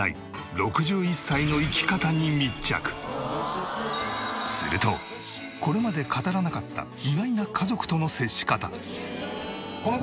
時間をするとこれまで語らなかった意外な家族との接し方。